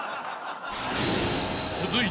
［続いて］